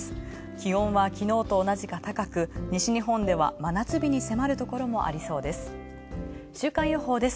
気温は昨日と同じか高く、西日本では真夏日に迫るところもありそうです。